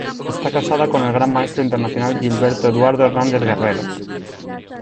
Está casada con el gran maestro internacional Gilberto Eduardo Hernández Guerrero.